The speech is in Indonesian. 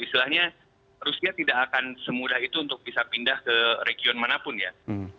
istilahnya rusia tidak akan semudah itu untuk bisa pindah ke region manapun ya